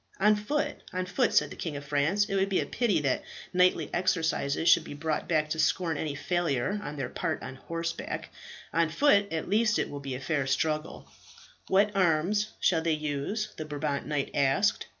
"On foot, on foot," said the King of France. "It would be a pity that knightly exercises should be brought to scorn by any failure on their part on horseback. On foot at least it will be a fair struggle." "What arms shall they use?" the Brabant knight asked.